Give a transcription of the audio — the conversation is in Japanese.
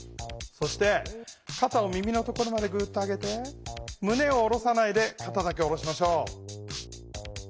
そしてかたを耳のところまでグッと上げてむねを下ろさないでかただけ下ろしましょう。